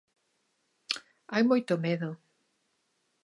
Hai moito medo.